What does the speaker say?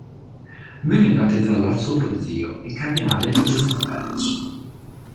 Venne battezzato dal suo prozio, il cardinale Joseph Fesch.